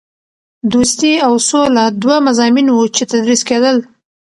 دوستي او سوله دوه مضامین وو چې تدریس کېدل.